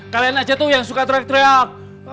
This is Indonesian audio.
kalian aja tuh yang suka teriak teriak